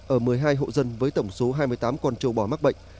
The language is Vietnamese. ở một mươi hai hộ dân với tổng số hai mươi tám con trâu bò mắc bệnh